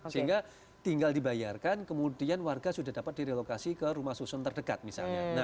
sehingga tinggal dibayarkan kemudian warga sudah dapat direlokasi ke rumah susun terdekat misalnya